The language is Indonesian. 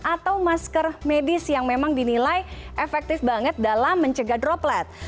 atau masker medis yang memang dinilai efektif banget dalam mencegah droplet